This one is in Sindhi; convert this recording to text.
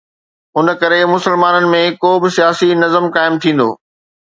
ان ڪري مسلمانن ۾ ڪو به سياسي نظم قائم ٿيندو.